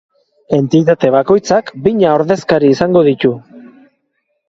Entitate bakoitzak bina ordezkari izango ditu.